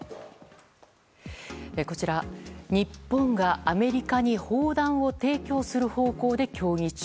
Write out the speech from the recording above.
こちら、日本がアメリカに砲弾を提供する方向で協議中。